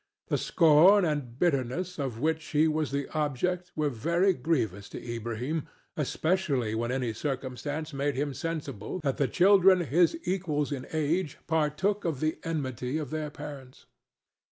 The scorn and bitterness of which he was the object were very grievous to Ilbrahim, especially when any circumstance made him sensible that the children his equals in age partook of the enmity of their parents.